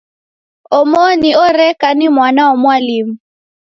Omoni oreka ni mwana wa mwalimu.